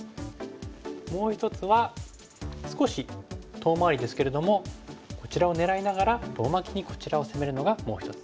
もう一つは少し遠回りですけれどもこちらを狙いながら遠巻きにこちらを攻めるのがもう一つ。